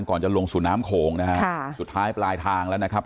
ก่อนจะลงสู่น้ำโขงนะฮะค่ะสุดท้ายปลายทางแล้วนะครับ